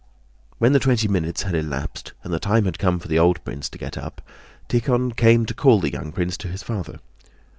When the twenty minutes had elapsed and the time had come for the old prince to get up, Tíkhon came to call the young prince to his father.